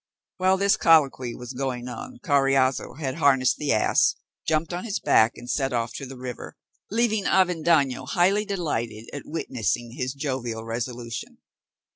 While this colloquy was going on Carriazo had harnessed the ass, jumped on his back, and set off to the river, leaving Avendaño highly delighted at witnessing his jovial resolution.